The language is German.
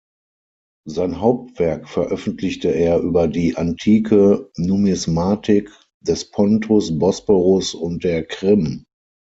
Sein Hauptwerk veröffentlichte er über die antike Numismatik des Pontus, Bosporus und der Krim.